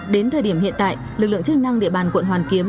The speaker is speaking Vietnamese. đến thời điểm hiện tại lực lượng chức năng địa bàn quận hoàn kiếm